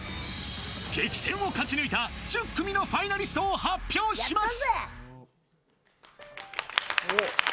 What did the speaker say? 激戦を勝ち抜いた１０組のファイナリストを発表します。